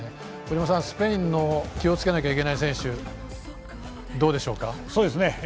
スペインの気をつけなきゃいけない選手どうでしょうか？